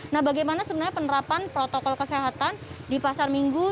nah bagaimana sebenarnya penerapan protokol kesehatan di pasar minggu